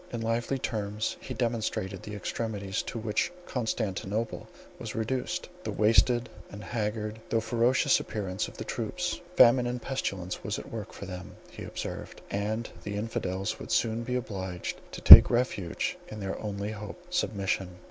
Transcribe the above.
In lively terms he demonstrated the extremities to which Constantinople was reduced; the wasted and haggard, though ferocious appearance of the troops; famine and pestilence was at work for them, he observed, and the infidels would soon be obliged to take refuge in their only hope—submission.